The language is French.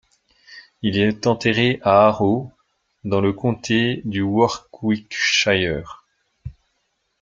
Il est enterré à Arrow, dans le comté du Warwickshire.